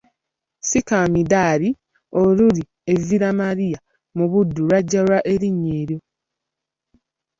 Ssikamidaali oluli e Villa Maria mu Buddu lwajja wa erinnya eryo?